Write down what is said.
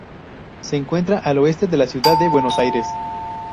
Se encuentra al oeste de la Ciudad de Buenos Aires.